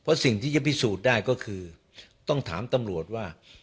เพราะสิ่งที่จะพิสูจน์ได้ก็คือต้องถามตำรวจว่า